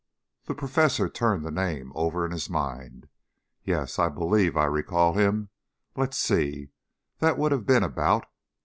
The professor turned the name over in his mind. "Yes, I believe I recall him. Let's see, that would have been about...."